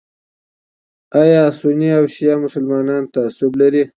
ایا سني او شیعه مسلمانان تعصب لري؟